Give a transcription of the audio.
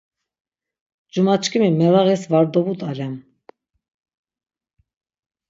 Cumaçkimi merağis var dobut̆alem.